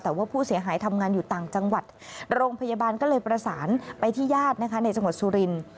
แต่ว่าผู้เสียหายทำงานอยู่ต่างจังหวัดโรงพยาบาลก็เลยประสานไปที่ญาตินะคะในจังหวัดสุรินทร์